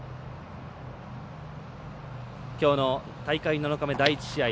きょうの大会７日目、第１試合。